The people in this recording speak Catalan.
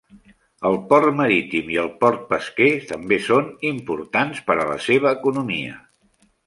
El port marítim i el port pesquer també són importants per a la seva economia.